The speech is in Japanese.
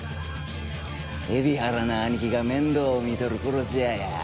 海老原のアニキが面倒見とる殺し屋や。